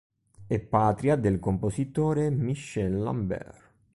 È patria del compositore Michel Lambert.